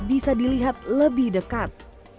bisa dilihat lebih dekat